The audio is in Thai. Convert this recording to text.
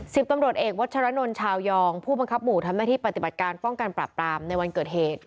สิบตำรวจเอกวัชรนลชาวยองผู้บังคับหมู่ทำหน้าที่ปฏิบัติการป้องกันปราบปรามในวันเกิดเหตุ